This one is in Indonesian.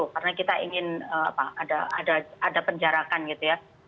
karena kita ingin ada penjarakan gitu ya